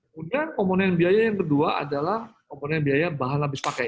kemudian komponen biaya yang kedua adalah komponen biaya bahan habis pakai